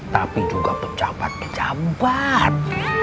tapi juga pejabat kejabat